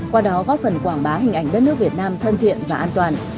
qua đó góp phần quảng bá hình ảnh đất nước việt nam thân thiện và an toàn